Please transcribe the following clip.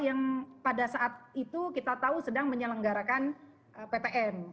yang pada saat itu kita tahu sedang menyelenggarakan ptm